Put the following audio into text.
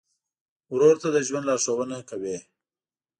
ورور ته د ژوند لارښوونه کوې.